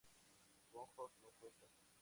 Björk nos cuenta.